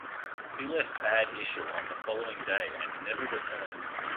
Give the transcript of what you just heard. He left Bad Ischl on the following day and never returned.